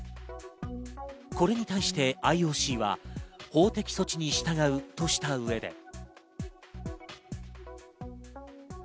これに対してＩＯＣは法的措置に従うとした上で。